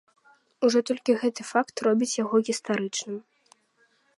Ужо толькі гэты факт робіць яго гістарычным.